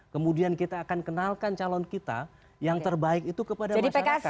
kemudian kita akan kenalkan calon kita yang terbaik itu kepada masyarakat